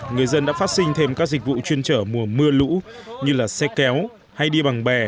người dân đã phát sinh thêm các dịch vụ chuyên trở mùa mưa lũ như là xe kéo hay đi bằng bè